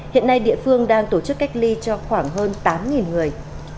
hiện nay địa phương đang tổ chức cách ly cho khoảng hơn tám người